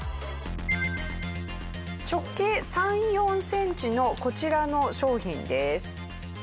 直径３４センチのこちらの商品です。